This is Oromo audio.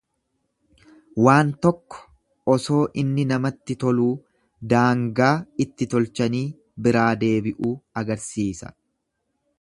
Waan tokko osoo inni namatti toluu daangaa itti tolchanii biraa deebi'uu agarsiisa.